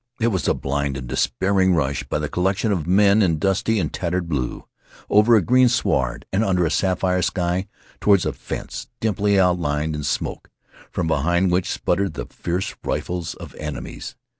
It was a blind and despairing rush by the collection of men in dusty and tattered blue, over a green sward and under a sapphire sky, toward a fence, dimly outlined in smoke, from behind which spluttered the fierce rifles of enemies.